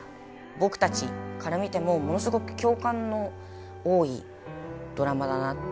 僕たちから見てもものすごく共感の多いドラマだなって。